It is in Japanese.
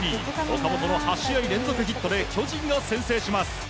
岡本の８試合連続ヒットで巨人が先制します。